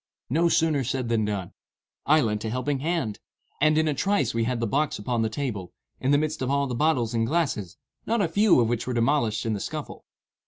No sooner said than done. I lent a helping hand; and, in a trice we had the box upon the table, in the midst of all the bottles and glasses, not a few of which were demolished in the scuffle.